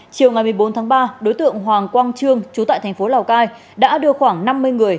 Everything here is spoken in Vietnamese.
chiều ngày một mươi bốn tháng ba đối tượng hoàng quang trương chú tại thành phố lào cai đã đưa khoảng năm mươi người